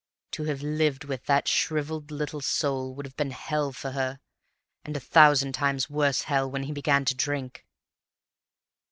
To have lived with that shrivelled little soul would have been hell for her; and a thousand times worse hell when he began to drink.